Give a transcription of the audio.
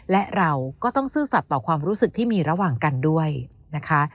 และเราก็ต้องซื่อสัตว์ต่อความรู้สึกที่มีระหว่างกันด้วยนะคะ